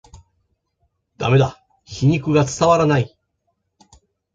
ダメだ、皮肉が伝わらない